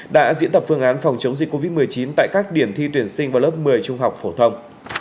đã diễn tập phương án phòng chống dịch covid một mươi chín tại các điểm thi tuyển sinh vào lớp một mươi trung học phổ thông